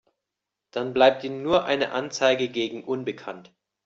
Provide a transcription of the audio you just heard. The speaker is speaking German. Dann bleibt ihm nur eine Anzeige gegen unbekannt.